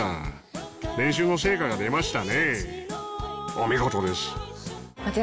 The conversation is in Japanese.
お見事です。